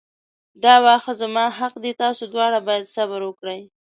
دا واښه زما حق دی تاسو دواړه باید صبر وکړئ.